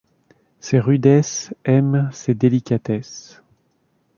Ces rudesses aiment ces délicatesses.